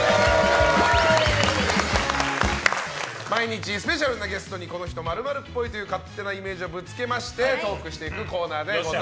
毎日スペシャルなゲストにこの人○○っぽいという勝手なイメージをぶつけましてトークしていくコーナーです。